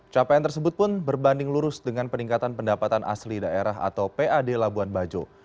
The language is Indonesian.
capaian tersebut pun berbanding lurus dengan peningkatan pendapatan asli daerah atau pad labuan bajo